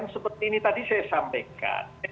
seperti ini tadi saya sampaikan